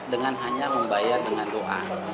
dengan hanya membayar dengan doa